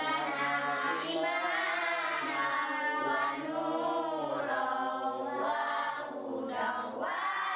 semoga allah menjaga kemampuan kita